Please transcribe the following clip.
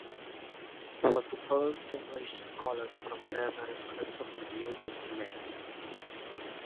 He was the first English scholar to compare manuscripts of the "New Testament".